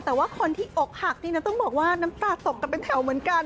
แต่ว่าคนที่อกหักนี่นะต้องบอกว่าน้ำตาตกกันเป็นแถวเหมือนกัน